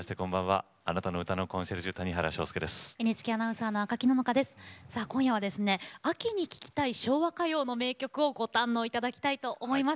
今夜の「うたコン」は秋に聴きたい昭和歌謡の名曲をご堪能いただきたいと思います。